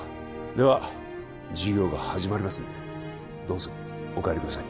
では授業が始まりますのでどうぞお帰りください